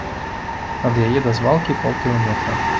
Ад яе да звалкі паўкіламетра.